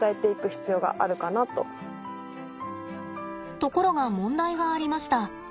ところが問題がありました。